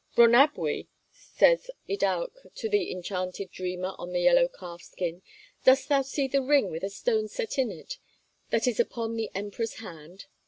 'Rhonabwy,' says Iddawc to the enchanted dreamer on the yellow calf skin, 'dost thou see the ring with a stone set in it, that is upon the Emperor's hand?'